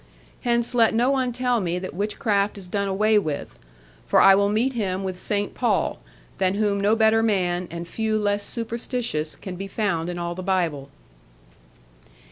Hence let no one tell me that witchcraft is done away with; for I will meet him with St. Paul, than whom no better man, and few less superstitious, can be found in all the Bible.